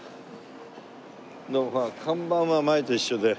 でもほら看板は前と一緒で。